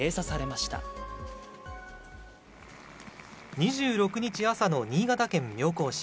２６日朝の新潟県妙高市。